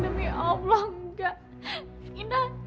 demi allah enggak